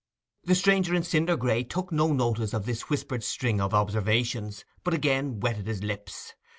The stranger in cinder gray took no notice of this whispered string of observations, but again wetted his lips.